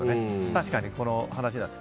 確かに、この話だと。